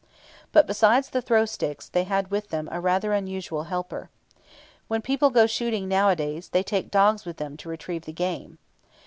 But, besides the throw sticks, they had with them a rather unusual helper. When people go shooting nowadays, they take dogs with them to retrieve the game.